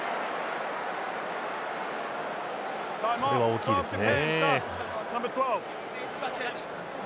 これは大きいですね。